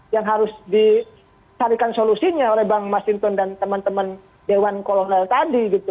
yang harus dicarikan solusinya oleh bang masinton dan teman teman dewan kolonel tadi gitu